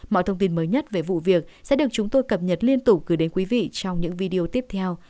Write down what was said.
mọi thông tin mới nhất về vụ việc sẽ được chúng tôi cập nhật liên tục gửi đến quý vị trong những video tiếp theo